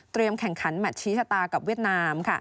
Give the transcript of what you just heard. เตรียมแข่งขันแมทชีชะตากับเวียดนาม